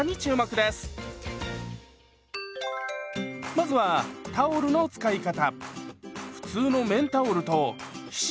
まずはタオルの使い方。